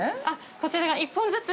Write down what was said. ◆こちらが１本ずつ。